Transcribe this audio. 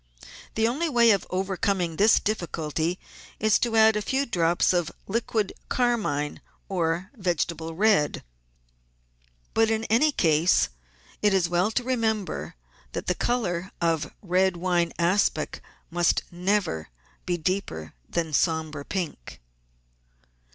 The only way of overcoming this difficulty is to add a few drops of liquid carmine or vegetable red ; but, in any case, it is well to remember that the colour of red wine aspic must never be deeper than a sombre pink.